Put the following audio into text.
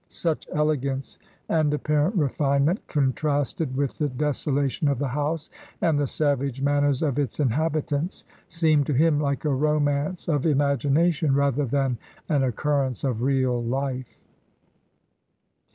... Such elegance and apparent refinement, contrasted with the desolation of the house, and the savage man ners of its inhabitants, seemed to him like a romance of imagination rather than an occurrence of real life."